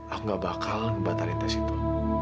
aku gak bakal batalin tas itu